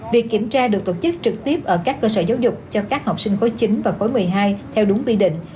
việc kiểm tra được tổ chức trực tiếp ở các cơ sở giáo dục cho các học sinh khối chín và khối một mươi hai theo đúng quy định